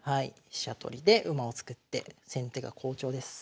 飛車取りで馬を作って先手が好調です。